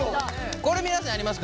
これ皆さんやりますか？